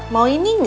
mau ini gak